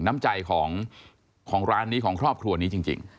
น้ำใจของร้านนี้ของครอบครัวนี้จริง